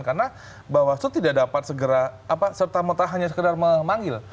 karena bawaslu tidak dapat segera serta merta hanya sekedar memanggil